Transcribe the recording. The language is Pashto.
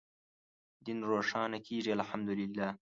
دین روښانه کېږي الحمد لله.